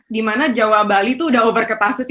dimana jawa bali itu udah over capacity